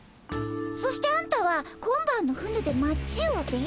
そしてあんたは今晩の船で町を出る。